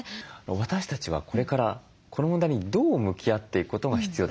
私たちはこれからこの問題にどう向き合っていくことが必要だというふうに思われますか？